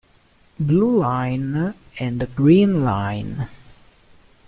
Blue Line and the Green Line,